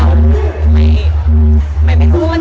ถ้าได้เริ่มโอกาสนี้คือ